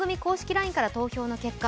ＬＩＮＥから投票の結果